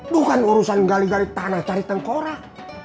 tuhan urusan gali gali tanah cari tengkorak